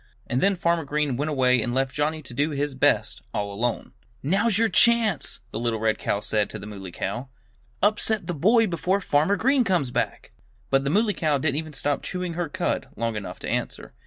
And then Farmer Green went away and left Johnnie to do his best all alone. "Now's your chance!" the little red cow said to the Muley Cow. "Upset the boy before Farmer Green comes back!" But the Muley Cow didn't even stop chewing her cud long enough to answer.